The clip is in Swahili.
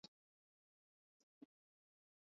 bunduki aina na mamia ya risasi